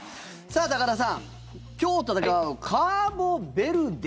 高田さん、今日戦うカーボベルデ